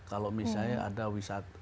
kalau misalnya ada wisat